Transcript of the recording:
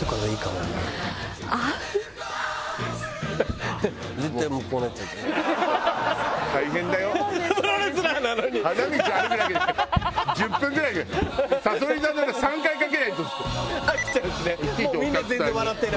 もうみんな全然笑ってない。